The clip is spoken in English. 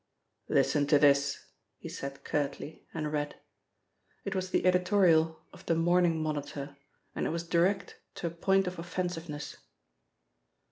"Listen to this," he said curtly, and read. It was the editorial of the Morning Monitor and it was direct to a point of offensiveness.